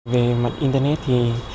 về mặt internet thì